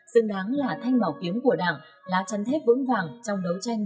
xứng đáng là thanh màu kiếm của đảng lá chân thép vững vàng trong đấu tranh